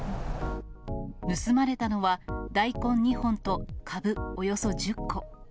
盗まれたのは、大根２本とカブおよそ１０個。